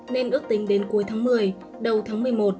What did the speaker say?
nên ước tính đến cuối tháng một mươi đầu tháng một mươi một